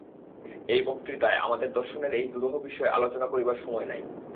এই বক্তৃতায় আমাদের দর্শনের এই দুরূহ বিষয় আলোচনা করিবার সময় নাই।